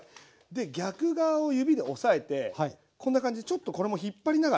で逆側を指で押さえてこんな感じでちょっとこれも引っ張りながら。